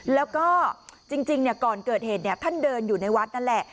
แล้วก็จริงก่อนเกิดเหตุท่านเดินอยู่ในวัดนั่นแหละ